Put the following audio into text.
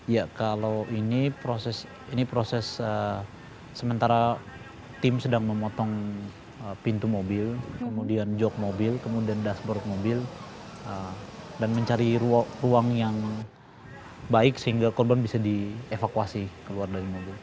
ya kalau ini proses ini proses sementara tim sedang memotong pintu mobil kemudian jog mobil kemudian dashboard mobil dan mencari ruang yang baik sehingga korban bisa dievakuasi keluar dari mobil